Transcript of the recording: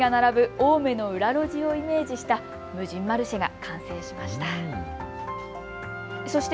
青梅の裏路地をイメージした無人マルシェが完成しました。